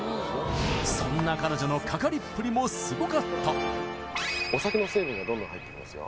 そんな彼女のかかりっぷりもすごかったお酒の成分がどんどん入っていきますよ